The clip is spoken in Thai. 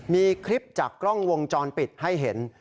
มีคลิปจากกล้องวงจรปิดให้เห็น